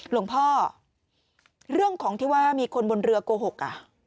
หลวงพ่อเรื่องของที่ว่ามีคนบนเรือโกหกอ่ะ